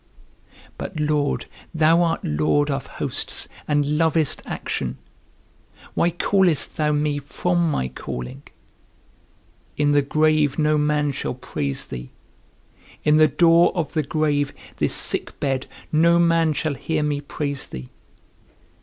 But, Lord, thou art Lord of hosts, and lovest action; why callest thou me from my calling? In the grave no man shall praise thee; in the door of the grave, this sick bed, no man shall hear me praise thee.